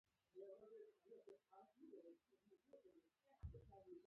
ځغاسته د تنفسي سیستم تمرین دی